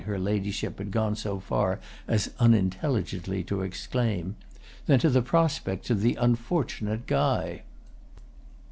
her ladyship had gone so far as unintelligently to exclaim) than to the prospects of the unfortunate Guy.